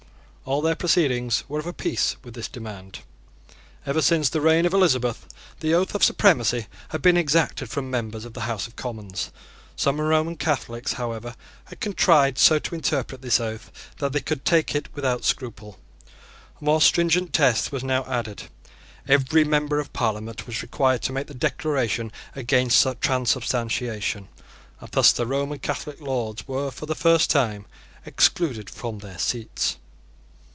All their proceedings were of a piece with this demand. Ever since the reign of Elizabeth the oath of supremacy had been exacted from members of the House of Commons. Some Roman Catholics, however, had contrived so to interpret this oath that they could take it without scruple. A more stringent test was now added: every member of Parliament was required to make the Declaration against Transubstantiation; and thus the Roman Catholic Lords were for the first time excluded from their seats.